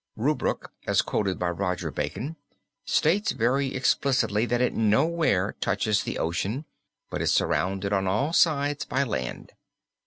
Rubruk, as quoted by Roger Bacon, states very explicitly that it nowhere touches the ocean but is surrounded on all sides by land.